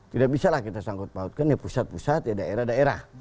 tidak bisa lah kita sangkut pautkan ya pusat pusat ya daerah daerah